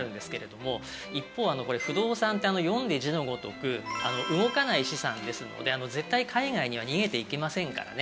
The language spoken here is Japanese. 一方不動産って読んで字のごとく動かない資産ですので絶対海外には逃げていきませんからね。